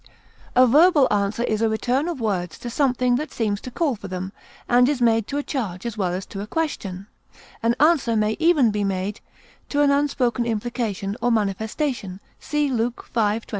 A verbal answer is a return of words to something that seems to call for them, and is made to a charge as well as to a question; an answer may be even made to an unspoken implication or manifestation; see Luke v, 22.